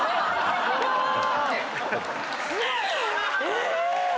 え！